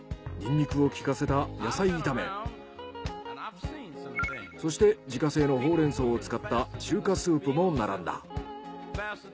ニンニクを効かせたそして自家製のホウレンソウを使った中華スープも並んだ。